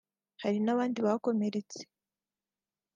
hari n’abandi bakomeretse